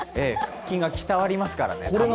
腹筋が鍛えられますからね。